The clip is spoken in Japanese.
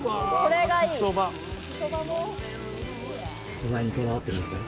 素材にこだわってるんですね。